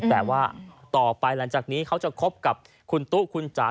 แต่ว่าต่อไปหลังจากนี้เขาจะคบกับคุณตุ๊คุณจ๋า